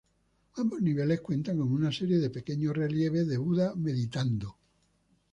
Ambos niveles cuentan con una serie de pequeños relieves de Buda meditando.